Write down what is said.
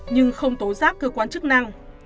nhưng không tối giác cơ quan chức năng